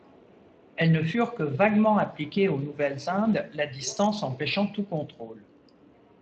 Elles ne furent que vaguement appliquées aux Nouvelles-Indes, la distance empêchant tout contrôle.